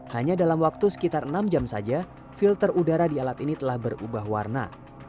hanya dalam waktu sekitar enam jam saja filter udara di alat ini telah berubah warna